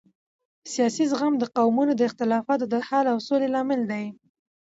سیاسي زغم د قومونو د اختلافاتو د حل او سولې لامل دی